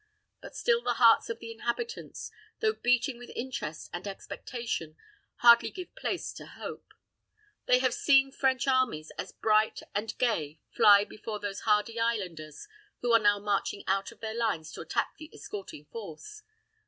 But still the hearts of the inhabitants, though beating with interest and expectation, hardly give place to hope. They have seen French armies as bright and gay fly before those hardy islanders who are now marching out of their lines to attack the escorting force.